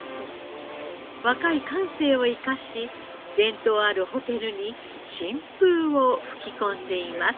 若い感性を生かし伝統あるホテルに新風を吹き込んでいます。